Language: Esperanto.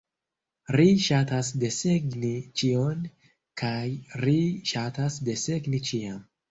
Ri ŝatas desegni ĉion, kaj ri ŝatas desegni ĉiam.